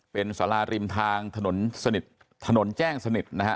เป็นสาราริมทางถนนสนิทถนนแจ้งสนิทนะฮะ